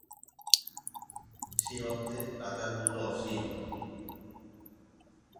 সেই অর্থে রাজার মূল্য অসীম।